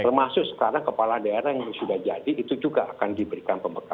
termasuk sekarang kepala daerah yang sudah jadi itu juga akan diberikan pembekalan